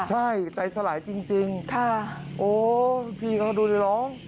ใช่ใจสลายจริงโอ้โหพีครับดูดีหรอ